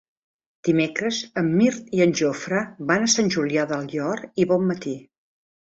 Dimecres en Mirt i en Jofre van a Sant Julià del Llor i Bonmatí.